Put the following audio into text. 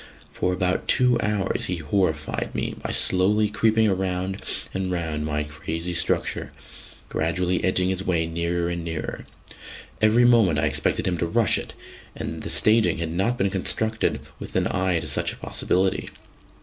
For about two hours he horrified me by slowly creeping round and round my crazy structure, gradually edging his way nearer and nearer. Every moment I expected him to rush it; and the staging had not been constructed with an eye to such a possibility.